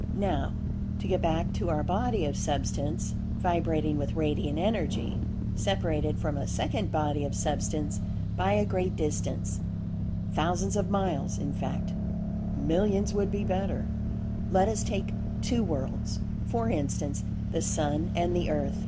Now, to get back to our body of Substance vibrating with Radiant Energy, separated from a second body of Substance by a great distance—thousands of miles in fact—millions would be better—let us take two worlds, for instance—the Sun and the Earth.